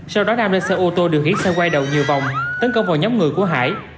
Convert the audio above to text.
sau đó nam lên xe ô tô điều khiển xe quay đầu nhiều vòng tấn công vào nhóm người của hải